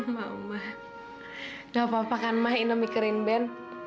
mama gak apa apa kan mah ina mikirin ben